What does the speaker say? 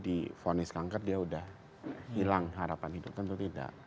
di vonis kanker dia udah hilang harapan hidupnya atau tidak